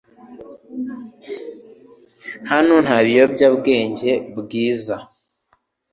Hano nta biyobyabwenge .Bwiza